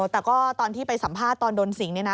แต่ก็ตอนที่ไปสัมภาษณ์ตอนโดนสิงเนี่ยนะ